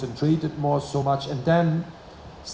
dan kemudian langkah demi langkah